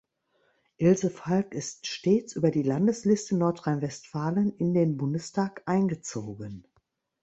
Ilse Falk ist stets über die Landesliste Nordrhein-Westfalen in den Bundestag eingezogen.